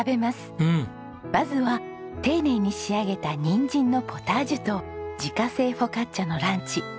まずは丁寧に仕上げた人参のポタージュと自家製フォカッチャのランチ。